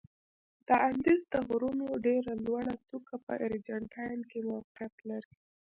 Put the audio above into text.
د اندیز د غرونو ډېره لوړه څوکه په ارجنتاین کې موقعیت لري.